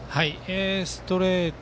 ストレート